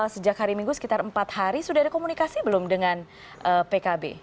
sejak hari minggu sekitar empat hari sudah ada komunikasi belum dengan pkb